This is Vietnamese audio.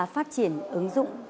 phát triển ứng dụng